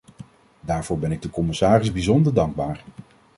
Daarvoor ben ik de commissaris bijzonder dankbaar.